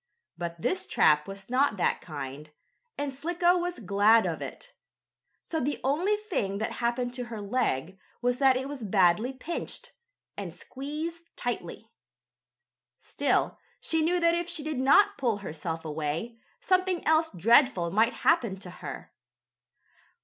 But this trap was not that kind, and Slicko was glad of it. So the only thing that happened to her leg was that it was badly pinched, and squeezed tightly. Still she knew that if she did not pull herself away, something else dreadful might happen to her.